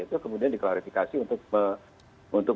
itu kemudian diklarifikasi untuk